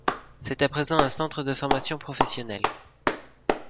C'est à présent un centre de formation professionnelle.